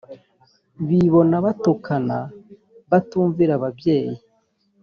bibona batukana batumvira ababyeyi